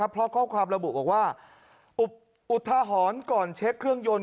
เพราะข้อความระบุบอกว่าอุทหรณ์ก่อนเช็คเครื่องยนต์